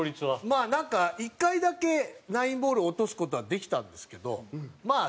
まあなんか１回だけナインボールを落とす事はできたんですけどまあ